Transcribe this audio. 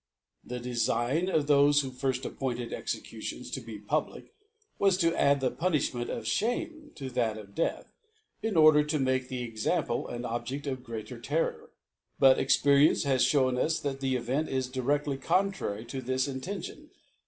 The Defign of thofe who firft ap ' pointed Exectidons to be public, ^s tor add the Puniihment of Shame to that of peath 5 in order to make the Exanriple an Objeft of greater Terror, But Expcri * cnce hath (hewn us that the Event is di rcftly contrary to thb Intention.